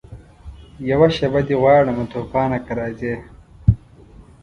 یوه شېبه دي غواړمه توپانه که راځې